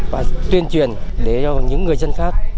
và tuyên truyền để cho những người dân khác